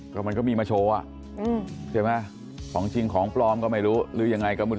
ก็มันก็มีมาโชว์อ่ะใช่ไหมของจริงของปลอมก็ไม่รู้หรือยังไงก็ไม่รู้